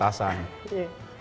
jadi kita berbentuk